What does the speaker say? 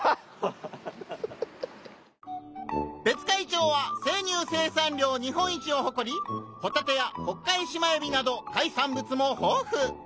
「別海町」は生乳生産量日本一を誇りホタテや『ホッカイシマエビ』など海産物も豊富！